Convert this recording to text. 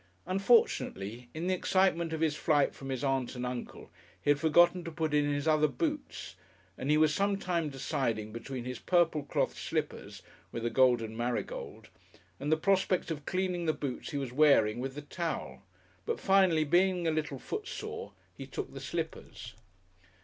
Unfortunately, in the excitement of his flight from his Aunt and Uncle, he had forgotten to put in his other boots, and he was some time deciding between his purple cloth slippers, with a golden marigold, and the prospect of cleaning the boots he was wearing with the towel, but finally, being a little footsore, he took the slippers.